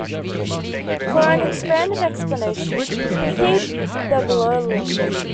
For an expanded explanation, see the below link.